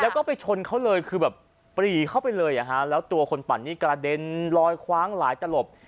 แล้วก็ไปชนเขาเลยคือแบบปรีเข้าไปเลยอ่ะฮะแล้วตัวคนปั่นนี่กระเด็นลอยคว้างหลายตลบ